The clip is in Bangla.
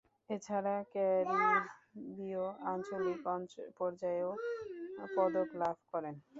এছাড়া ক্যারিবীয় আঞ্চলিক পর্যায়েও পদক লাভ করেন।